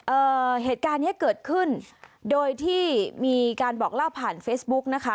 เอ่อเหตุการณ์เนี้ยเกิดขึ้นโดยที่มีการบอกเล่าผ่านเฟซบุ๊กนะคะ